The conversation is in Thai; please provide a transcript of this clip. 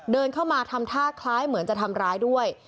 เดินเข้ามาทำท่าคล้ายเหมือนจะทำร้ายด้วย